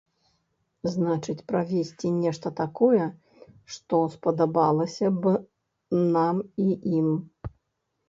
Значыць правесці нешта такое, што спадабалася б нам і ім.